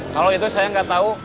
kalau itu saya nggak tahu